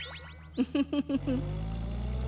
ウフフフフ。